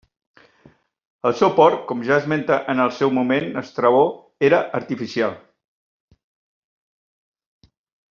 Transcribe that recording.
El seu port, com ja esmenta en el seu moment Estrabó, era artificial.